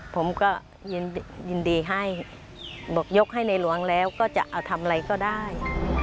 ผมก็ยินดีให้บอกยกให้ในหลวงแล้วก็จะเอาทำอะไรก็ได้